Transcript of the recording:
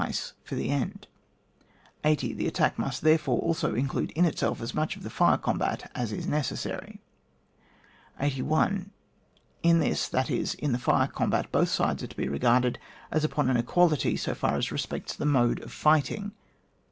ce for the end. 80. The attack must, therefore, also include in itself as much of the fire combat as is necessary. 81. In this, that is, in the fire combat, both sides are to be regarded as upon an equality, so far as respects the mode of fighting.